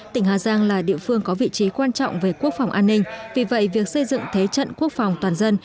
tỉnh hà giang là địa phương có vị trí quan trọng về quốc phòng an ninh vì vậy việc xây dựng thế trận quốc phòng toàn dân